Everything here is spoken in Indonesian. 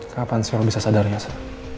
kapan sih aku bisa sadarnya saya